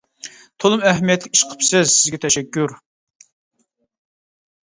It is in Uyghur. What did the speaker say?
تولىمۇ ئەھمىيەتلىك ئىش قىپسىز، سىزگە تەشەككۈر!